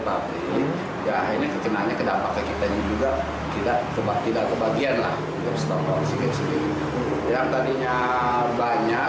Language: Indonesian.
pabrik ya ini kekenanya kedampaknya kita juga tidak kebak tidak kebagianlah yang tadinya banyak